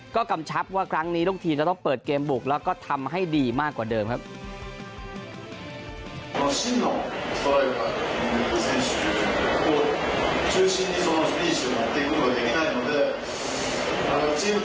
ก็กำชับว่าครั้งนี้ลูกทีมจะต้องเปิดเกมบุกแล้วก็ทำให้ดีมากกว่าเดิมครับ